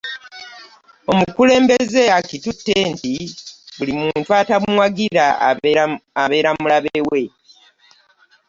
omukulembeze akitute nti buli muntu atamuwagira abeera mulabewe